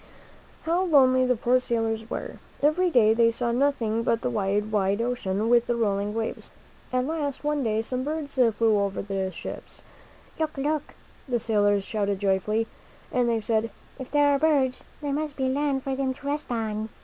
How lonely the poor sailors were ! Every day they saw nothing but the wide, wide ocean, with the rolling waves. At last, one day, some birds flew over the ships. "Look! Look!" the sailors shouted joyfully. And they said, "If there are birds, there must be land for them to rest on."